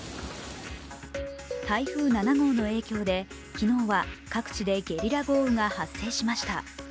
台風７号の影響で昨日は各地でゲリラ豪雨が発生しました。